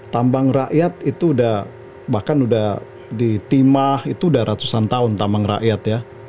tambang rakyat itu sudah bahkan sudah ditimah itu sudah ratusan tahun tambang rakyat ya